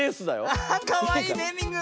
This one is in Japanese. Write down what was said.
アハッかわいいネーミング。ね。